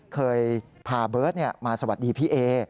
เคยพาเบิร์ตมาสวัสดีพี่เอ